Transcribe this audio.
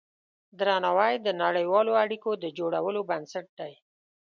درناوی د نړیوالو اړیکو د جوړولو بنسټ دی.